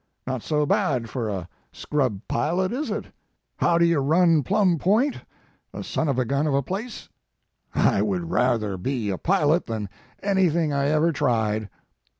Not so bad, for a scrub pilot, is it? How do you run Plutn Point a son of gun of a place? I would rather be a pilot than anything I ever tried."